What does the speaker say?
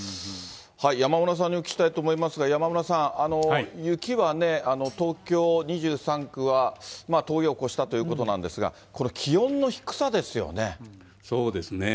山村さんにお聞きしたいと思いますが、山村さん、雪はね、東京２３区は峠を越したということなんですが、これ気温の低さでそうですね。